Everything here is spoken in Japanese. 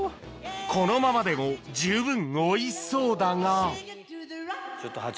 このままでも十分おいしそうだがちょっと。